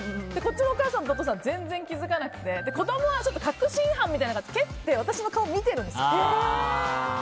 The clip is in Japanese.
お父さんとお母さんは全然気づかなくて子供は確信犯みたいに、蹴って私の顔を見てるんです。